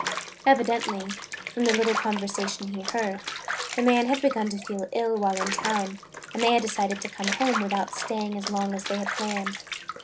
Evidently, from the little conversation he heard, the man had begun to feel ill while in town and they had decided to come home without staying as long as they had planned.